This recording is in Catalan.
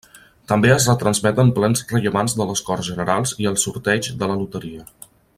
També es retransmeten plens rellevants de les Corts Generals i els sorteigs de la loteria.